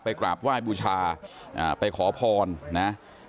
กราบไหว้บูชาไปขอพรนะ